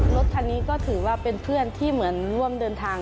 รถคันนี้ก็ถือว่าเป็นเพื่อนที่เหมือนร่วมเดินทาง